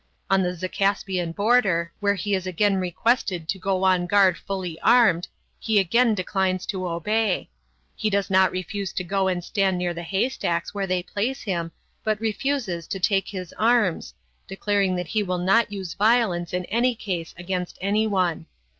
On the Zacaspian border, where he is again requested to go on guard fully armed, he again declines to obey. He does not refuse to go and stand near the haystacks where they place him, but refuses to take his arms, declaring that he will not use violence in any case against anyone.